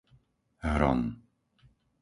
Hron